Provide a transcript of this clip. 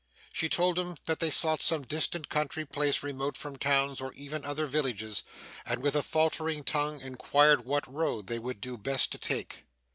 She told him that they sought some distant country place remote from towns or even other villages, and with a faltering tongue inquired what road they would do best to take.